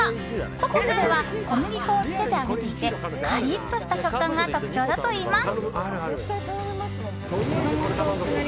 ココスでは小麦粉をつけて揚げていてカリッとした食感が特徴だといいます。